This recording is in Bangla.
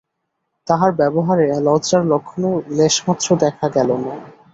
তাহার ব্যবহারে লজ্জার লক্ষণও লেশমাত্র দেখা গেল না।